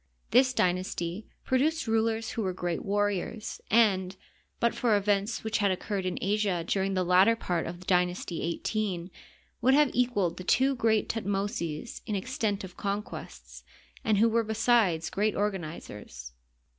This dynasty produced rulers who were g^eat warriors, and, but for events which had occurred in Asia during the latter part of Dynasty XVHI, would have equaled the two great Thutmoses in extent of conquests, and who were besides g^eat organ izers.